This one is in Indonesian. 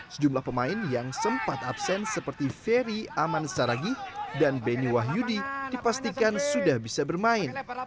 sejumlah pemain yang sempat absen seperti ferry aman saragih dan beni wahyudi dipastikan sudah bisa bermain